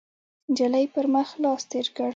، نجلۍ پر مخ لاس تېر کړ،